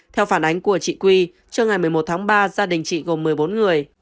theo phản ánh của chị quy trưa ngày một mươi một tháng ba gia đình chị gồm một mươi bốn người